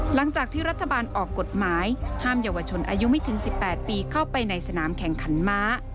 หลังจากที่รัฐบาลออกกฎหมายห้ามเยาวชนอายุไม่ถึง๑๘ปีเข้าไปในสนามแข่งขันม้า